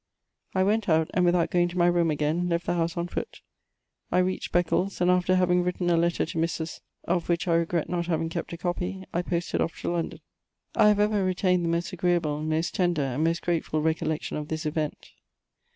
I went out, and without going to my room ag^ain, left the house on foot. I reached Becdes, and after having written a letter to Mrs. , of which I regret not having kept a copy, I posted off to London. I have ever retained the most agreeable, most tender, and most grateful recollection of this event.